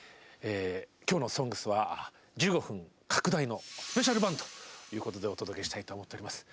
今日の「ＳＯＮＧＳ」は１５分拡大のスペシャル版ということでお届けしたいと思っております。